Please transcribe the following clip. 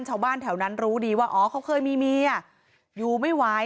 ชาวบ้านแถวนั้นรู้ดีว่าอ๋อเขาเคยมีเมียอยู่ไม่ไหว